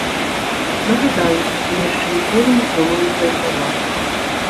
Нагадаю, што я яшчэ ніколі нікому не прайграваў.